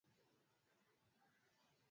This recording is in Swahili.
hii ya maisha Pinga hamu ya kusafiri kutoka